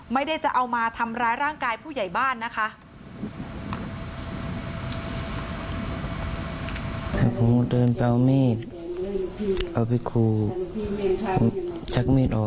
ไม่ได้จะเอามาทำร้ายร่างกายผู้ใหญ่บ้านนะคะ